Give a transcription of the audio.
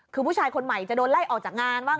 คือผู้ชายคนใหม่จะโดนไล่ออกจากงานบ้าง